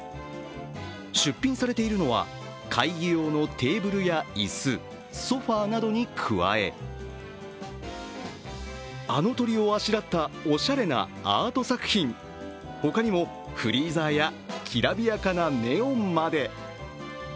出品されているのは、会議用のテーブルや椅子ソファーなどに加えあの鳥をあしらったおしゃれなアート作品他にもフリーザーやきらびやかなネオンまで。